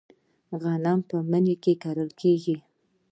غنم په مني کې کرل کیږي.